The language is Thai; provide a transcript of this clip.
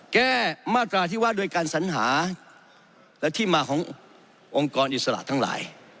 แก้มาตราที่ว่าโดยการสัญหาและที่มาขององค์กรอิสระทั้งหลาย